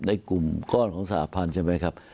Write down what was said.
ในกลุ่มก้อนของสหพันธุ์ใช่ไหมครับ